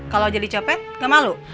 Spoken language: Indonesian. kalau jadi copet gak malu